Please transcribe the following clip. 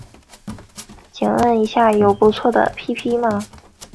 请问一下有不错的 ㄟＰＰ 吗